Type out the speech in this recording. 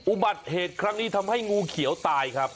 อุบัติเหตุครั้งนี้ทำให้งูเขียวตายครับ